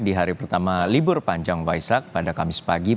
di hari pertama libur panjang waisak pada kamis pagi